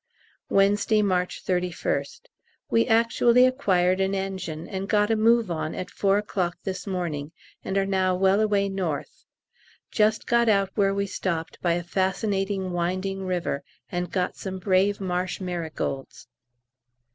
Wednesday, March 31st. We actually acquired an engine and got a move on at 4 o'clock this morning, and are now well away north. Just got out where we stopped by a fascinating winding river, and got some brave marsh marigolds.